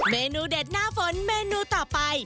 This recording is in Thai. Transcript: เมนูเด็ดหน้าฝนเมนูต่อไป